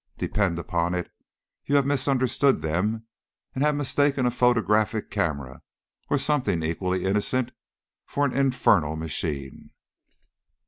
Depend upon it, you have misunderstood them, and have mistaken a photographic camera, or something equally innocent, for an infernal machine."